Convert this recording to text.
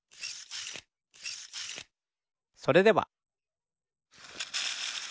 それでは。